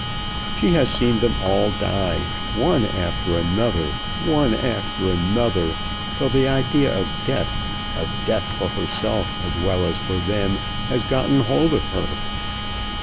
She has seen them all die, one after another, one after another, till the idea of death, of death for herself as well as for them, has gotten hold of her.